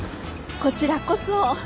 こちらこそ。